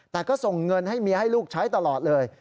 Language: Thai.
แต่ก็ส่งเงินให้เมียให้ลูกใช้ตลอดเลย